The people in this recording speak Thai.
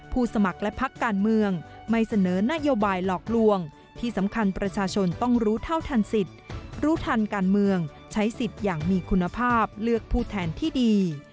สมัครและพักการเมืองไม่เสนอนโยบายหลอกลวงที่สำคัญประชาชนต้องรู้เท่าทันสิทธิ์รู้ทันการเมืองใช้สิทธิ์อย่างมีคุณภาพเลือกผู้แทนที่ดี